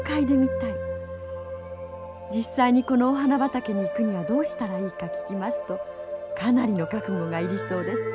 実際にこのお花畑に行くにはどうしたらいいか聞きますとかなりの覚悟が要りそうです。